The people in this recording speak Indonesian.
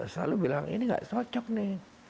selalu bilang ini gak cocok nih